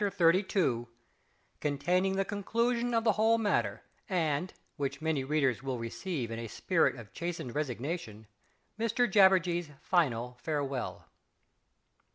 XXXII _Containing the conclusion of the whole matter, and (which many Readers will receive in a spirit of chastened resignation) Mr Jabberjee's final farewell.